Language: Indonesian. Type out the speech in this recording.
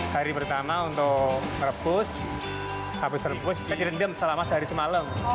hari pertama untuk merebus habis rebus kita direndam selama sehari semalam